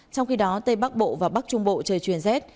trong khi đó tây bắc bộ và bắc trung bộ trời chuyển rét